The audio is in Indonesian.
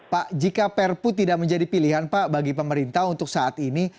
pak jika perpu tidak menjadi pilihan pak bagi pemerintah untuk saat ini